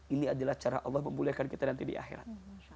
ini adalah cara allah memulihkan kita di akhirat